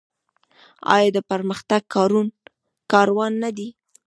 آیا د پرمختګ کاروان نه دی؟